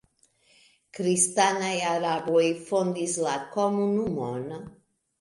Kristanaj araboj fondis la komunumon.